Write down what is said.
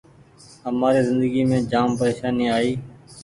همآري زندگي مينٚ جآم پريشاني آئي